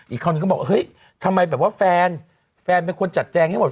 อีกครั้งนึงก็บอกทำไมแฟนเป็นคนจัดแจงให้หมด